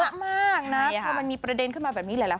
เยอะมากนะพอมันมีประเด็นขึ้นมาแบบนี้หลายคน